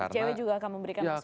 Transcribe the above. icw juga akan memberikan masukan